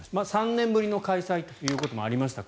３年ぶりの開催ということもありました。